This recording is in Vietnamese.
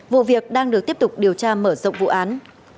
vụ việc đang được tiếp tục điều tra mở rộng vụ án